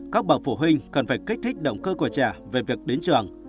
các bậc phụ huynh cần phải kích thích động cơ của trẻ về việc đến trường